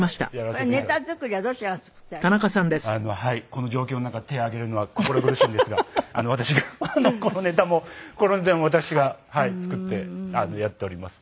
この状況の中手上げるのは心苦しいんですが私がこのネタもこのネタも私が作ってやっております。